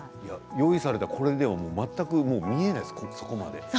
用意されたこれでは全く見えないです、そこまで。